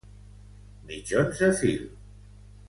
Mitjons de fil